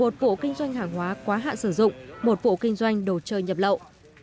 một vụ kinh doanh hàng hóa quá hạn sử dụng một vụ kinh doanh đồ chơi nhập lậu